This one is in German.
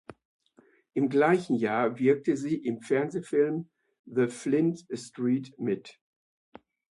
Im gleichen Jahr wirkte sie im Fernsehfilm "The Flint Street" mit.